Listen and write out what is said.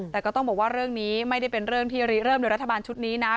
แต่ก็ต้องบอกว่าเรื่องนี้ไม่ได้เป็นเรื่องที่รีเริ่มโดยรัฐบาลชุดนี้นะ